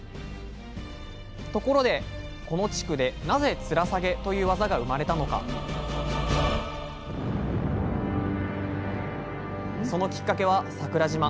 ところでこの地区でなぜ「つらさげ」という技が生まれたのかそのきっかけは桜島。